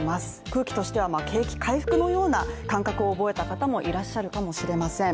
空気としては景気回復のような感覚を覚えた方もいらっしゃるかもしれません。